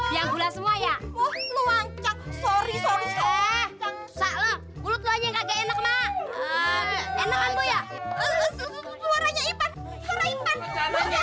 ya udah semua ya oh luangcak sorry sorry enak enak